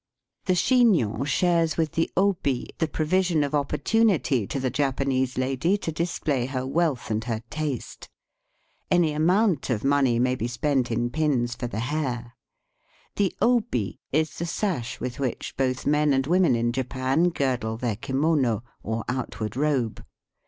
The chignon shares with the obi the pro vision of opportunity to the Japanese lady to Digitized by VjOOQIC THE CAPITAL OP THE MKADOS. 63 display her wealth and her taste. Any amount of money may be spent in pins for the hair. The obi is the sash with which both men and women in Japan girdle their kimono, or out ward robe.